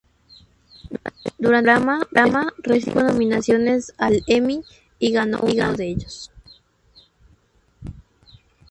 Durante el programa, recibió cinco nominaciones al Emmy y ganó uno de ellos.